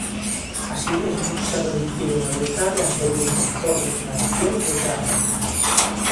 Así mesmo se reduciron á metade as denuncias por infraccións de tráfico.